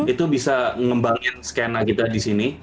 itu bisa ngembangin skena kita di sini